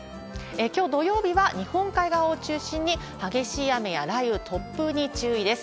きょう土曜日は、日本海側を中心に激しい雨や雷雨、突風に注意です。